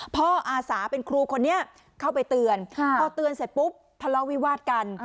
อาสาเป็นครูคนนี้เข้าไปเตือนพอเตือนเสร็จปุ๊บทะเลาะวิวาดกัน